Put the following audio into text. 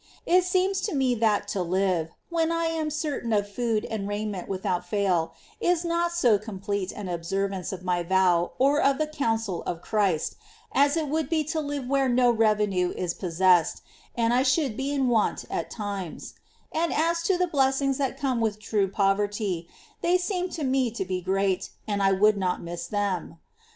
It seems to me that to live, when I am certain of food and raiment without fail, is not so complete an observance of my vow or of the counsel of Christ as it would be to live where no revenue is possessed, and I should be in want at times ; and as to the blessings that come with true poverty, they seem to me to be great, and I would not miss them.